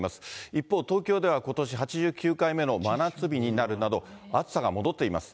一方、東京ではことし８９回目の真夏日になるなど、暑さが戻っています。